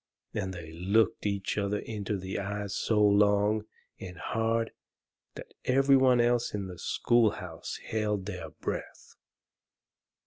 And they looked each other in the eyes so long and hard that every one else in the schoolhouse held their breath.